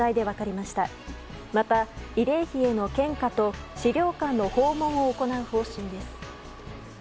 また、慰霊碑への献花と資料館の訪問を行う方針です。